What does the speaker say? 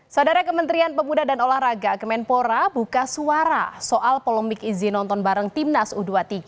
saudara kementerian pemuda dan olahraga kemenpora buka suara soal polemik izin nonton bareng timnas u dua puluh tiga